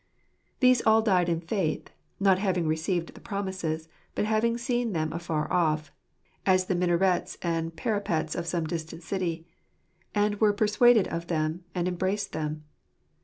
" These all died in faith, not having received the promises, but having seen them afar off (as the minarets and parapets of some distant city), and were persuaded of them and embraced them."